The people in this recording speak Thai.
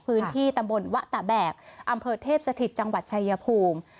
พื้นที่ตำบลวะตะแบบอำเภอเทพสถิตจังหวัดชายภูมิ